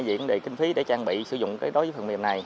về kinh phí để trang bị sử dụng đối với phần mềm này